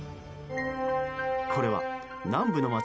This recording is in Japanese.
これは南部の街